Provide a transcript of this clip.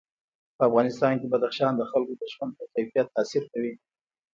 په افغانستان کې بدخشان د خلکو د ژوند په کیفیت تاثیر کوي.